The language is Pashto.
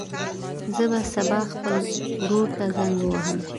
زه به سبا خپل ورور ته زنګ ووهم.